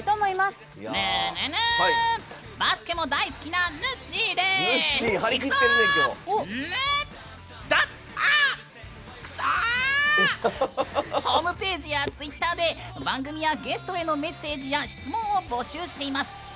ホームページやツイッターで番組やゲストへのメッセージや質問を募集しています。